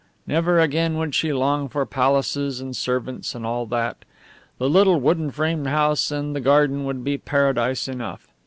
Never again would she long for palaces and servants and all that. The little wooden frame house and the garden would be paradise enough.